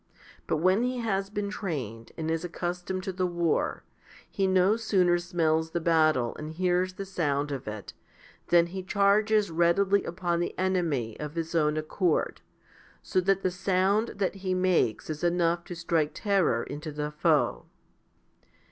But when he has been trained and is accustomed to the 1 John i. 12. 2 i Cor. xv. 49. 172 HOMILY XXIII 173 war, he no sooner smells the battle and hears the sound of it, than he charges readily upon the enemy of his own accord, so that the sound that he makes is enough to strike terror into the foe.